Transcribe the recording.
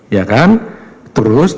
ya kan terus